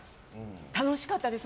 楽しかったです